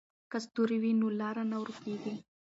که ستوري وي نو لار نه ورکېږي.